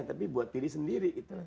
tapi buat pilih sendiri